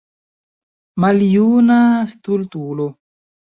Maljuna stultulo!